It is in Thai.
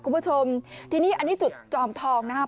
คุณผู้ชมทีนี้อันนี้จุดจอมทองนะครับ